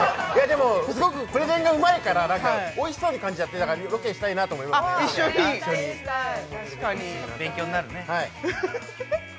でもすごくプレゼンがうまいからおいしそうに感じるからロケしたいなと思いますね、一緒に勉強になるね。